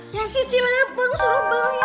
ya si cilepeng suruh bawa ya